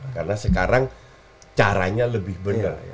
karena sekarang caranya lebih benar